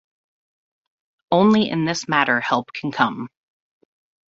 Only in this matter help can come.